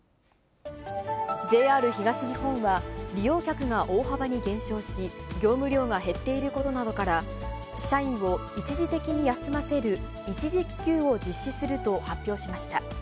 ＪＲ東日本は、利用客が大幅に減少し、業務量が減っていることなどから、社員を一時的に休ませる一時帰休を実施すると発表しました。